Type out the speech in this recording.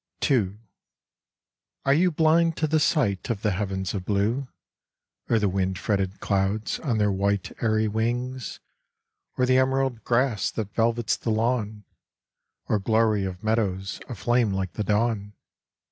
II. Are you blind to the sight Of the heavens of blue, Or the wind fretted clouds On their white, airy wings, Or the emerald grass That velvets the lawn, Or glory of meadows Aflame like the dawn?